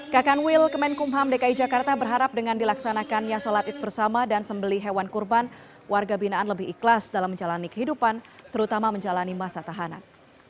kakan wil kemenkumham dki jakarta berharap dengan dilaksanakannya sholat id bersama dan sembeli hewan kurban warga binaan lebih ikhlas dalam menjalani kehidupan terutama menjalani masa tahanan